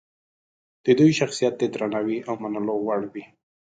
د دوی شخصیت د درناوي او منلو وړ وي.